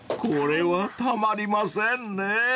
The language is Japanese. ［これはたまりませんねぇ］